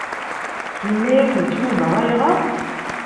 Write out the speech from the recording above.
Yenna-yakent Yuba ayɣer?